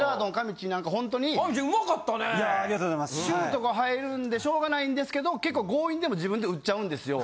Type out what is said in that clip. シュートが入るんでしょうがないんですけど結構強引でも自分で打っちゃうんですよ。